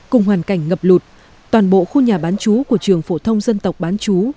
cùng hoàn cảnh ngập lụt toàn bộ khu nhà bán chú của trường phổ thông dân tộc bán chú